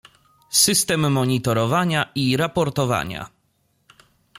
System monitorowania i raportowania